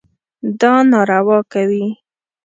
دا ناروا کوي.